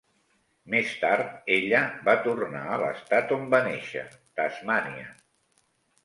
Més tard, ella va tornar a l'estat on va néixer, Tasmània.